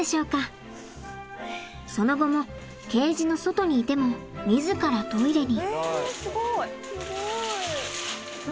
その後もケージの外にいても自らトイレに。